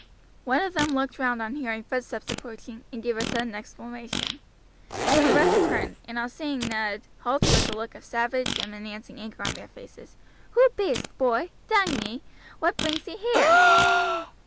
One of them looked round on hearing footsteps approaching, and gave a sudden exclamation. The rest turned, and on seeing Ned, halted with a look of savage and menacing anger on their faces. "Who be'est, boy? dang ee, what brings ye here?"